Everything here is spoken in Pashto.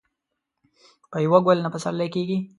په يوه ګل نه پسرلی کېږي.